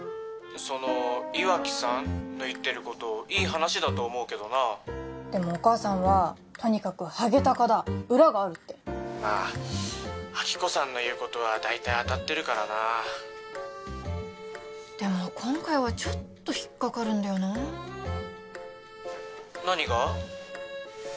その岩城さん？の言ってることいい話だと思うけどなでもお母さんはとにかくハゲタカだ裏があるってまあ亜希子さんの言うことは大体当たってるからなでも今回はちょっと引っかかるんだよな何が？